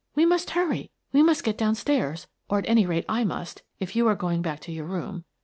We must hurry. We must get down stairs, or at any rate I must, if you are going back to your room.